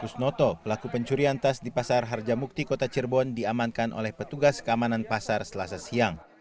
kusnoto pelaku pencurian tas di pasar harjamukti kota cirebon diamankan oleh petugas keamanan pasar selasa siang